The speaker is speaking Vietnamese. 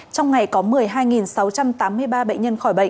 trong ngày có một mươi hai sáu trăm tám mươi ba bệnh nhân khỏi bệnh